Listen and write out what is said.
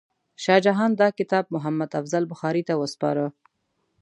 شاه جهان دا کتاب محمد افضل بخاري ته وسپاره.